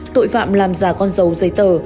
tội phạm làm giả con dấu giấy tờ